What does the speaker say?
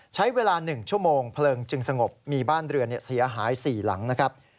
ใช้เวลา๑ชั่วโมงเพลิงจึงสงบมีบ้านเรือนเสียหาย๔หลังนะครับ